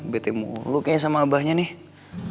bt mulu kayaknya sama abahnya nih